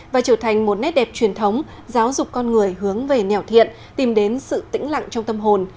và trở thành một nét đẹp truyền thống giáo dục con người hướng về nẻo thiện tìm đến sự tĩnh lặng trong tâm hồn